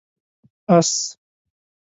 🐎 آس